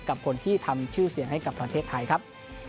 กับคนที่ทำชื่อเสียงให้กับประเทศไทยครับ